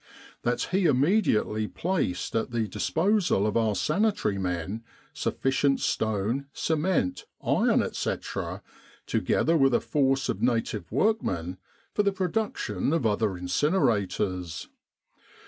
that he immediately placed at the disposal of our Sanitary men sufficient stone, cement, iron, etc., together with a force of native workmen, for the production of other incinerators.